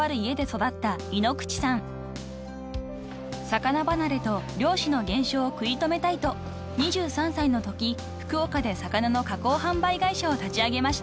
［魚離れと漁師の減少を食い止めたいと２３歳のとき福岡で魚の加工販売会社を立ち上げました］